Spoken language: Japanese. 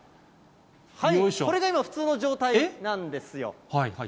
はい、これが今、普通の状態なんですよ。